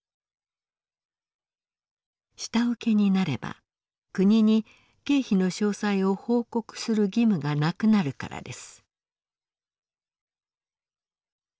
下請けになれば国に経費の詳細を報告する義務がなくなるからです。